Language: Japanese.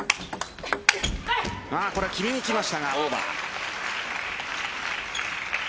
これは決めにきましたがオーバー。